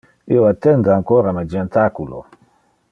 Io attende ancora mi jentaculo.